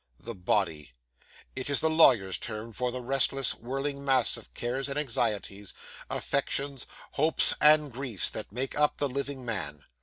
The body! It is the lawyer's term for the restless, whirling mass of cares and anxieties, affections, hopes, and griefs, that make up the living man.